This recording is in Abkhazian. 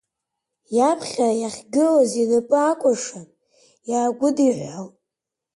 Иаԥхьа иахьгылаз инапы акәыршан иааигәыдиҳәҳәалт.